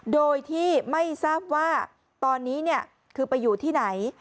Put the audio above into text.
โดยที่ไม่ทราบว่าตอนนี้คือไปอยู่ที่ไหน